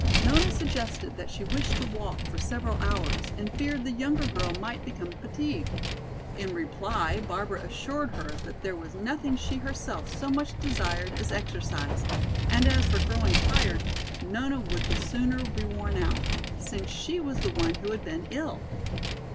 Nona suggested that she wished to walk for several hours and feared the younger girl might become fatigued. In reply Barbara assured her that there was nothing she herself so much desired as exercise, and as for growing tired, Nona would the sooner be worn out, since she was the one who had been ill.